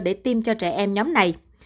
để tiêm cho trẻ em nhóm này